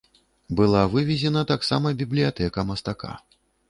Была вывезена таксама бібліятэка мастака.